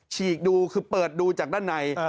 ฉีกดูคือเปิดดูจากด้านใน